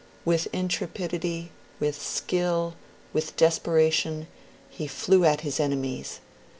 With intrepidity, with skill, with desperation, he flew at his enemies.